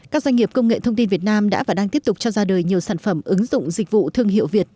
các doanh nghiệp công nghệ thông tin việt nam đã và đang tiếp tục cho ra đời nhiều sản phẩm ứng dụng dịch vụ thương hiệu việt